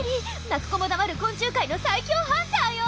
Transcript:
泣く子も黙る昆虫界の最強ハンターよ！